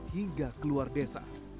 hingga keluar desa